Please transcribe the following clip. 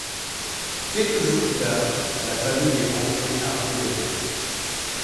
Quelques jours plus tard, la famille est rentré à Oléron.